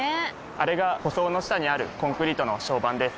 あれが舗装の下にあるコンクリートの床版です。